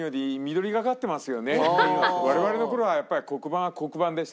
我々の頃はやっぱり黒板は黒板でした。